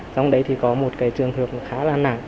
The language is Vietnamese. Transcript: trong đấy thì có một cái trường hợp khá là nặng